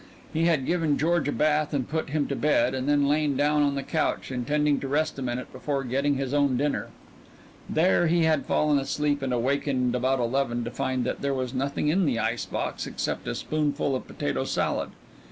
He had given George a bath and put him to bed, and then lain down on the couch intending to rest a minute before getting his own dinner. There he had fallen asleep and awakened about eleven, to find that there was nothing in the ice box except a spoonful of potato salad.